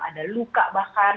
ada luka bahkan